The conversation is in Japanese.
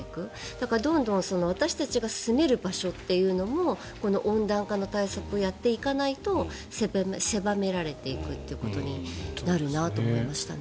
だから、どんどん私たちが住める場所というのもこの温暖化の対策をやっていかないと狭められていくなってなりましたね。